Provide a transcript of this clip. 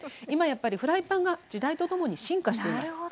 今やっぱりフライパンが時代とともに進化しています。